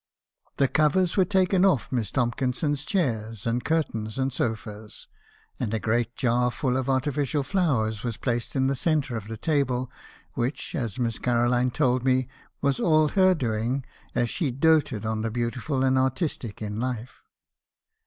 "The covers were taken off Miss Tomkinson's chairs, and curtains, and sofas ; and a great jar full of artificial flowers was placed in the centre of the table, which, as Miss Caroline told me, was all her doing, as she doated on the beautiful and artistic in life.